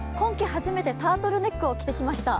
初めてタートルネックを着てきました。